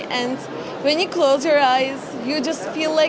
dan ketika anda menutup mata anda merasa seperti di tempat lain